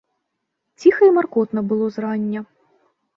Ціха і маркотна было зрання.